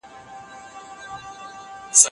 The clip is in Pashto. خلګو ته سياسي پوهه ورکول د حکومتونو دنده ده.